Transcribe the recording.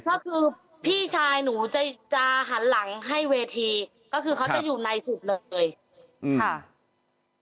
ก็คือพี่ชายหนูจะจะหันหลังให้เวทีก็คือเขาจะอยู่ในจุดหลักเลยค่ะ